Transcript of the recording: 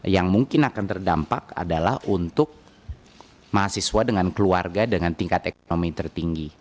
yang mungkin akan terdampak adalah untuk mahasiswa dengan keluarga dengan tingkat ekonomi tertinggi